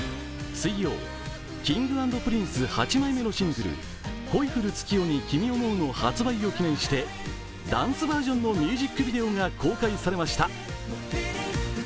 水曜、Ｋｉｎｇ＆Ｐｒｉｎｃｅ８枚目のシングル「恋降る月夜に君想ふ」の発売を記念してダンスバージョンのミュージックビデオが公開されました。